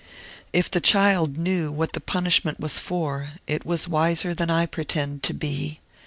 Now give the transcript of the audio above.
If the child knew what the punishment was for, it was wiser than I pretend to be.